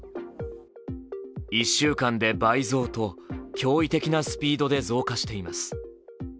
１週間で倍増と驚異的なスピードで増加しています。